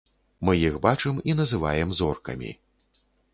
Мы іх бачым і называем зоркамі.